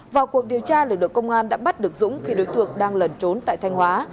vào cuộc điều tra lực lượng công an đã bắt được dũng khi đối tượng đang lẩn trốn tại thanh hóa